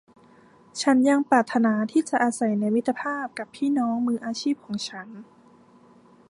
ฉันยังปรารถนาที่จะอาศัยในมิตรภาพกับพี่น้องมืออาชีพของฉัน